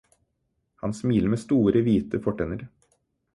Han smiler med store, hvite fortenner.